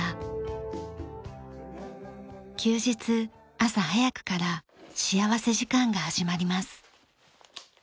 休日朝早くから幸福時間が始まります。